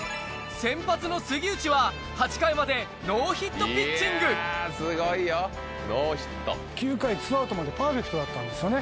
先発の杉内は８回までノーヒットピッチング９回２アウトまでパーフェクトだったんですよね。